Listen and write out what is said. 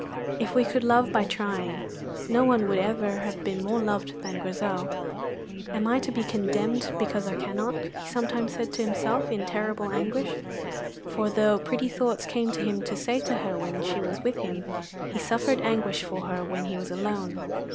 If we could love by trying, no one would ever have been more loved than Grizel. "Am I to be condemned because I cannot?" he sometimes said to himself in terrible anguish; for though pretty thoughts came to him to say to her when she was with him, he suffered anguish for her when he was alone.